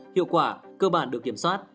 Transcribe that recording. hiệu quả cơ bản được kiểm soát